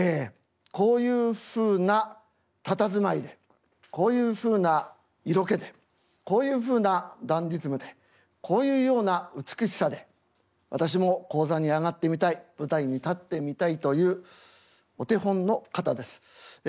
こういうふうなたたずまいでこういうふうな色気でこういうふうなダンディズムでこういうような美しさで私も高座に上がってみたい舞台に立ってみたいというお手本の方です。